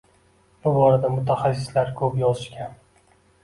Bu borada mutaxassislar ko‘p yozishgan.